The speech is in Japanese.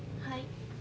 はい。